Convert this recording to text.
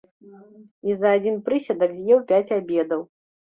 І за адзін прысядак з'еў пяць абедаў.